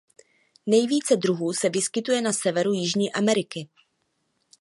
Nejvíce druhů se vyskytuje na severu Jižní Ameriky.